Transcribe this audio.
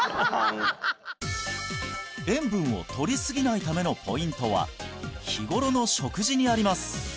塩分を摂りすぎないためのポイントは日頃の食事にあります